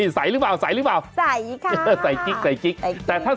ใสหรือเปล่าใสหรือเปล่า